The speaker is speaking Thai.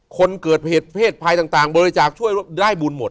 คนเกิดเหตุเพศภัยต่างบริจาคช่วยได้บุญหมด